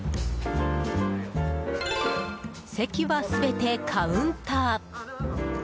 席は全てカウンター。